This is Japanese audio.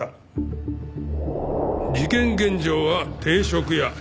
事件現場は定食屋。